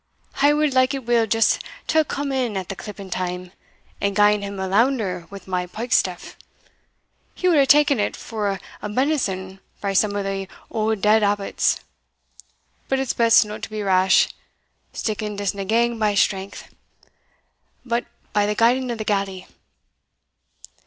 I wad likeit weel just to hae come in at the clipping time, and gien him a lounder wi' my pike staff; he wad hae taen it for a bennison frae some o' the auld dead abbots. But it's best no to be rash; sticking disna gang by strength, but by the guiding o' the gally.